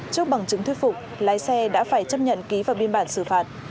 trước bằng chứng thuyết phục lái xe đã phải chấp nhận ký vào biên bản xử phạt